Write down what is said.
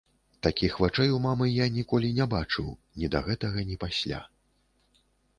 Такіх вачэй у мамы я ніколі не бачыў, ні да гэтага, ні пасля.